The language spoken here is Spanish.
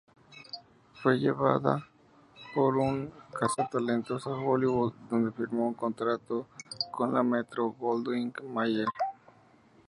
Fue llevada por un cazatalentos a Hollywood, donde firmó un contrato con la Metro-Goldwyn-Mayer.